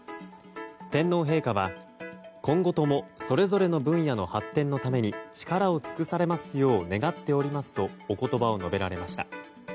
天皇陛下は、今後ともそれぞれの分野の発展のために力を尽くされますよう願っておりますとお言葉を述べられました。